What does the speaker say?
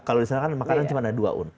kalau di sana kan makanan cuma ada dua un